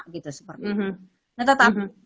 gitu seperti itu